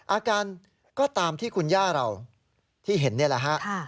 อาการก็ตามที่คุณย่าเราที่เห็นนี่แหละฮะ